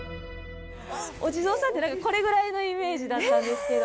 お地蔵さんってこれぐらいのイメージだったんですけど。